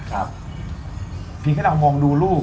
เพียงแค่เรามองดูลูก